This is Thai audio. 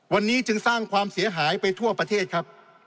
วันนี้จึงสร้างความเสียหายไปทั่วประเทศครับ